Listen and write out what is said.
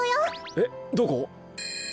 えっどこ？